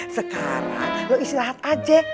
sekarang lo istirahat aja